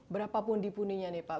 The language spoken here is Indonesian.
berapa pun dipunyainya nih pak